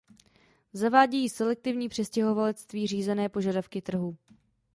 Zavádějí selektivní přistěhovalectví řízené požadavky trhu.